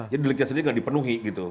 jadi di legiasi tidak dipenuhi gitu